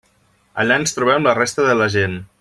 Allà ens trobem la resta de la gent.